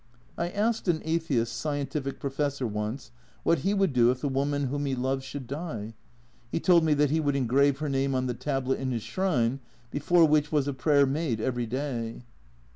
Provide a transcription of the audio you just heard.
I asked an "atheist" scientific professor once what he would do if the woman whom he loved should die. He told me that he would engrave her name on the tablet in his shrine, before which was a prayer made every day.